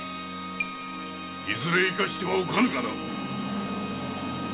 いずれ生かしてはおかぬがな。